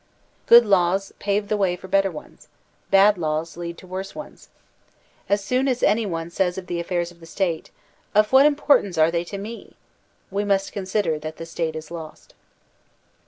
Good laws pave the way for better ones; bad laws lead to worse ones. As soon as any one says of the affairs of the State, • Of what importance are they to me ?* we must consider that the State is lost.